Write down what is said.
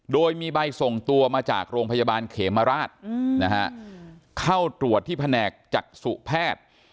โดยมีใบส่งตัวมาจากโรงพยาบาลเขมราชเข้าตรวจที่แผนกจักษุแพทย์